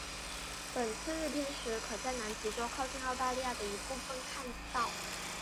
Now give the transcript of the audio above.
本次日偏食可在南极洲靠近澳大利亚的一部分看到。